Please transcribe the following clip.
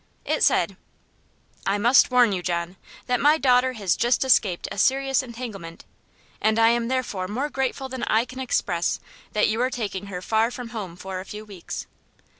It said: "I must warn you, John, that my daughter has just escaped a serious entanglement, and I am therefore more grateful than I can express that you are taking her far from home for a few weeks.